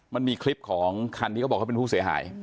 มันมีคลิปของคันที่เขาบอกเขาเป็นผู้เสียหาย